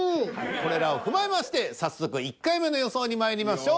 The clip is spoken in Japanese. これらを踏まえまして早速１回目の予想にまいりましょう。